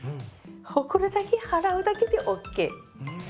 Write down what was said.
ほこりだけ払うだけでＯＫ。